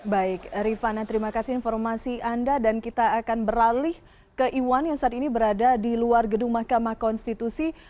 baik rifana terima kasih informasi anda dan kita akan beralih ke iwan yang saat ini berada di luar gedung mahkamah konstitusi